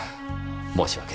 申し訳ない。